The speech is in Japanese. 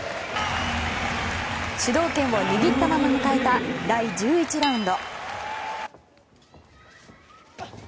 主導権を握ったまま迎えた第１１ラウンド。